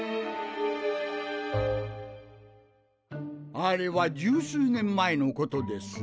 あれは十数年前のことです。